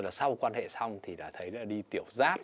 là sau quan hệ xong thì đã thấy đi tiểu rát